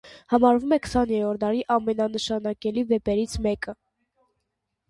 Համարվում է քսաներորդ դարի ամենանշանակալի վեպերից մեկը։